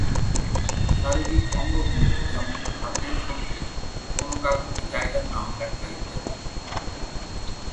শারীরিক অঙ্গভঙ্গি, যেমন, হাতের সংকেত, কোন কাগজে জায়গার নাম লেখা ইত্যাদি।